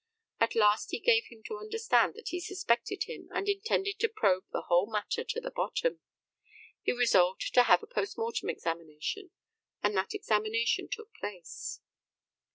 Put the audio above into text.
At last he gave him to understand that he suspected him and intended to probe the whole matter to the bottom. He resolved to have a post mortem examination, and that examination took place.